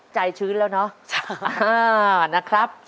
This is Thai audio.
ใจชื้นแล้วเนอะ